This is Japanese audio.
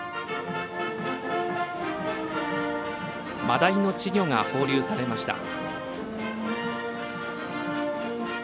マダイの稚魚が放流されました。